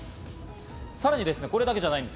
さらにこれだけじゃないんです。